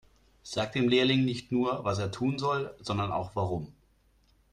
Sag dem Lehrling nicht nur, was er tun soll, sondern auch warum.